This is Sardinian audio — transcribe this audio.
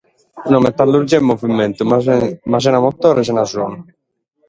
Una metallurgia in movimentu, ma sena motore, sena sonu.